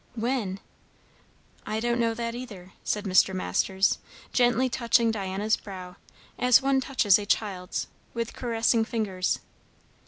"When?" "I don't know that either," said Mr. Masters, gently touching Diana's brow, as one touches a child's, with caressing fingers.